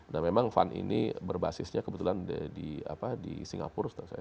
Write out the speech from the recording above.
nah memang fund ini berbasisnya kebetulan di singapura